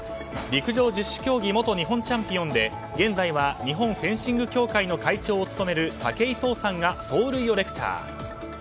陸上十種競技元日本チャンピオンで現在は日本フェンシング協会の会長を務める武井壮さんが走塁をレクチャー。